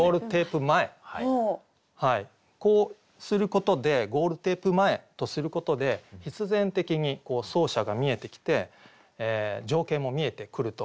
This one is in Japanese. こうすることで「ゴールテープ前」とすることで必然的に走者が見えてきて情景も見えてくると思いますね。